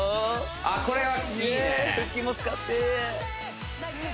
あっこれはいいね